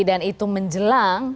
dan itu menjelang